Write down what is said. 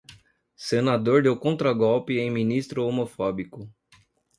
Senador deu contragolpe em ministro homofóbico